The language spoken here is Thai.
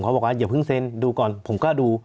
เขาบอกว่าอย่าเพิ่งซึ่งนดูก่อนผมก็ดู